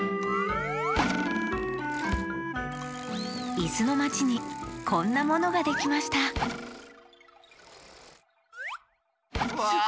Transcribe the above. いすのまちにこんなものができましたわあ。